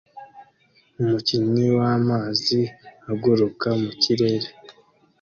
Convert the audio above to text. Umukinnyi w'amazi aguruka mu kirere